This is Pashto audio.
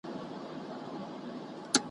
چي مي هیرسي دسروشونډو انګبین